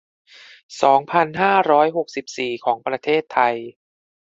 สองพันห้าร้อยหกสิบสี่ ของประเทศไทย